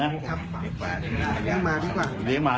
ดีกว่าดีกว่าดีกว่าดีกว่าดีกว่าดีกว่า